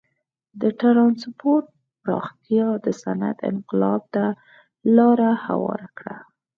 د ټرانسپورت پراختیا د صنعت انقلاب ته لار هواره کړه.